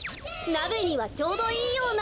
なべにはちょうどいいような。